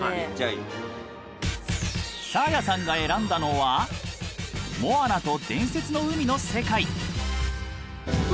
サーヤさんが選んだのは「モアナと伝説の海」の世界。